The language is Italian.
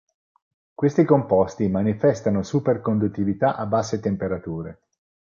Questi composti manifestano superconduttività a basse temperature.